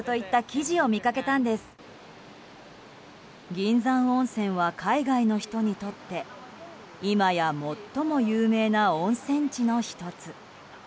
銀山温泉は海外の人にとって今や最も有名な温泉地の１つ。